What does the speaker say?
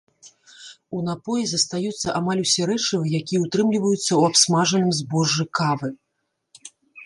У напоі застаюцца амаль усе рэчывы, якія ўтрымліваюцца ў абсмажаным збожжы кавы.